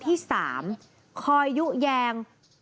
แป๊บหนึ่ง